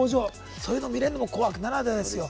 そういうの見れるのも「紅白」ならではです。